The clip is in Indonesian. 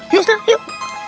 yuk lah yuk